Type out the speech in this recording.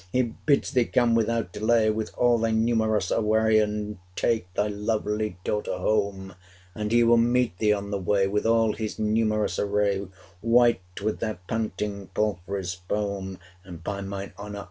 He bids thee come without delay 505 With all thy numerous array And take thy lovely daughter home: And he will meet thee on the way With all his numerous array White with their panting palfreys' foam: 510 And, by mine honour!